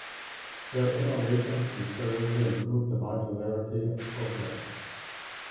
Their innovations considerably improved the modularity of programs.